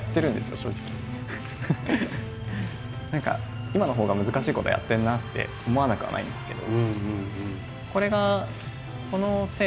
ただ今のほうが難しいことやってるなって思わなくはないんですけど。